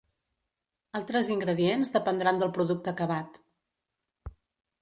Altres ingredients dependran del producte acabat.